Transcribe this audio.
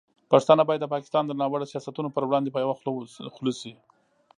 پښتانه باید د پاکستان د ناوړه سیاستونو پر وړاندې په یوه خوله شي.